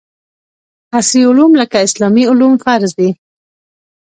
عصري علوم لکه اسلامي علوم فرض دي